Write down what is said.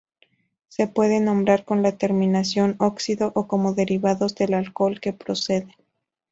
Se pueden nombrar con la terminación óxido o como derivados del alcohol que proceden.